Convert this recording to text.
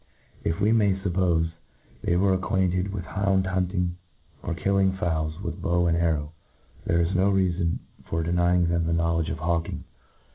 If we may fuppofe they were acquainted with hound hunting, or killing fowls with bow and arrow there is no reafon for denying them the know ledge of hawking.